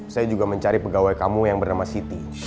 saya juga mencari pegawai kamu yang bernama siti